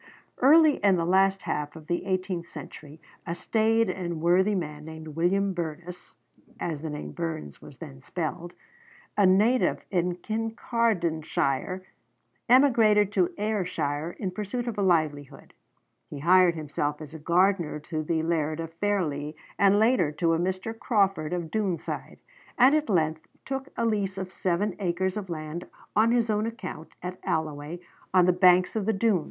Early in the last half of the eighteenth century a staid and worthy man, named William Burness (as the name Burns was then spelled), a native of Kincardineshire, emigrated to Ayrshire in pursuit of a livelihood. He hired himself as a gardener to the laird of Fairlie, and later to a Mr. Crawford of Doonside, and at length took a lease of seven acres of land on his own account at Alloway on the banks of the Doon.